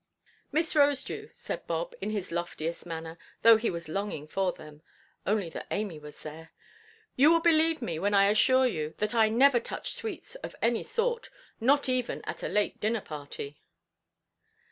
"Miss Rosedew," said Bob, in his loftiest manner, though he was longing for them, only that Amy was there; "you will believe me when I assure you that I never touch sweets of any sort; not even at a late dinner–party."